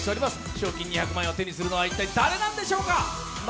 賞金２００万円を手にするのは一体、誰なんでしょうか。